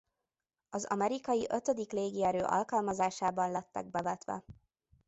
Az amerikai Ötödik légierő alkalmazásában lettek bevetve.